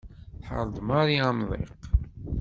Tḥerr-d Mari amḍiq.